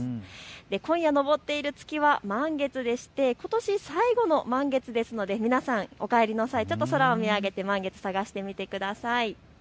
今夜昇っている月は満月でしてことし最後の満月ですので皆さんお帰りの際ちょっと空を見上げて満月探してみてください。